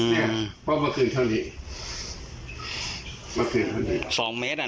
เนี้ยเพราะเมื่อคืนเท่านี้เมื่อคืนเท่านี้สองเมตรอ่ะ